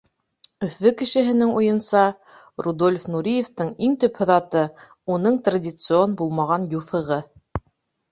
Өфө кешеһенең уйынса, Рудольф Нуриевтың иң төп һыҙаты — уның традицион булмаған юҫығы.